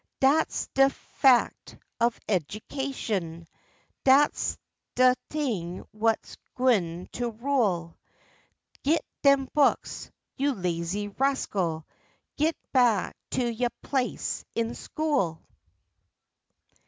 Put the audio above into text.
Dat's de 'fect of education; dat's de t'ing what's gwine to rule; Git dem books, you lazy rascal! Git back to yo' place in school!